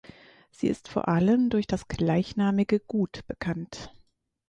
Sie ist vor allem durch das gleichnamige Gut bekannt.